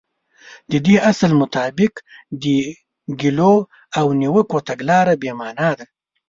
د دې اصل مطابق د ګيلو او نيوکو تګلاره بې معنا ده.